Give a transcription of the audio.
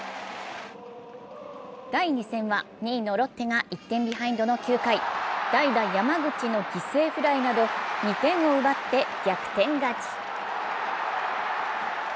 第２戦は２位のロッテが１点ビハインドの９回、代打・山口の犠牲フライなど２点を奪って逆転勝ち。